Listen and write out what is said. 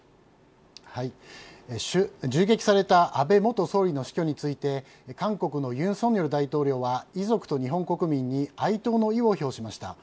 銃撃された安倍元総理の死去について韓国の尹錫悦大統領は遺族と日本国民に哀悼の意を示しました。